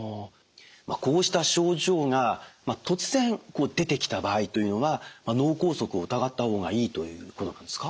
こうした症状が突然出てきた場合というのは脳梗塞を疑った方がいいということなんですか？